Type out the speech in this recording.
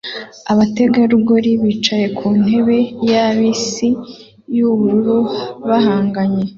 abategarugori bicaye ku ntebe ya bisi yubururu bahanganye